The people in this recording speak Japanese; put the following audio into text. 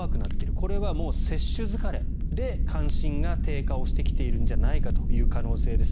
これはもう接種疲れで関心が低下してきているんじゃないかという可能性です。